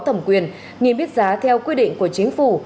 thẩm quyền niêm yết giá theo quy định của chính phủ